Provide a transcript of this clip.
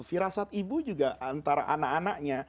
firasat ibu juga antara anak anaknya